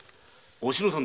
おしのさん